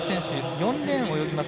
４レーンを泳ぎます